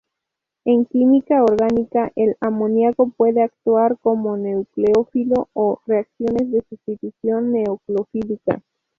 En química orgánica, el amoníaco puede actuar como nucleófilo en reacciones de sustitución nucleofílica.